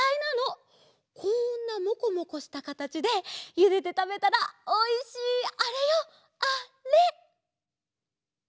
こんなモコモコしたかたちでゆでてたべたらおいしいあれよあれ！